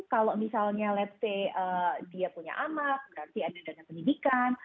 soalnya let s say dia punya amat berarti ada dana pendidikan